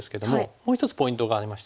もう一つポイントがありまして。